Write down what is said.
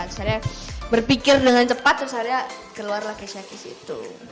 terus akhirnya berpikir dengan cepat terus akhirnya keluar lah keysha keys itu